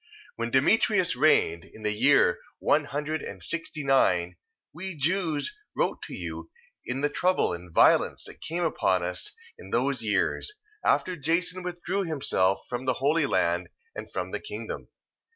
1:7. When Demetrius reigned, in the year one hundred and sixty nine, we Jews wrote to you in the trouble and violence that came upon us in those years, after Jason withdrew himself from the holy land, and from the kingdom.